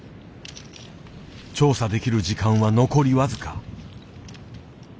調査できる時間は残り僅か。